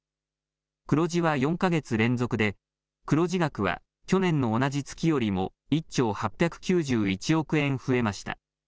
黒字は４か月連続で黒字額は去年の同じ月よりも１兆８９１億円増えました。